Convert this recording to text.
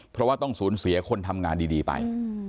เพราะว่าต้องสูญเสียคนทำงานดีไป